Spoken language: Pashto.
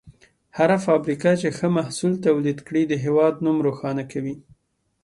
هره فابریکه چې ښه محصول تولید کړي، د هېواد نوم روښانه کوي.